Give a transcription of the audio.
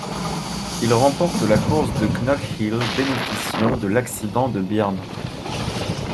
Il remporte la course de Knockhill, bénéficiant de l'accident de Byrne.